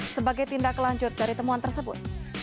sebagai tindak lanjut dari temuan tersebut